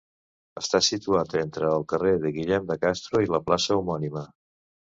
Està situat entre el carrer de Guillem de Castro i la plaça homònima.